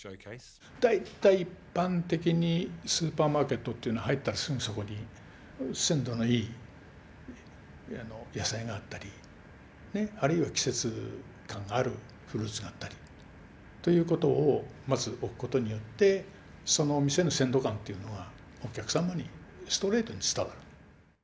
大体一般的にスーパーマーケットっていうのは入ったらすぐそこに鮮度のいい野菜があったりあるいは季節感があるフルーツがあったり。ということをまず置くことによってそのお店の鮮度感というのがお客様にストレートに伝わる。